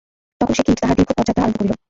তখন সেই কীট তাহার দীর্ঘ পথ-যাত্রা আরম্ভ করিল।